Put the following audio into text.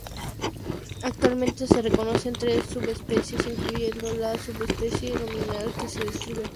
Actualmente se reconocen tres subespecies, incluyendo la subespecie nominal que se describe aquí.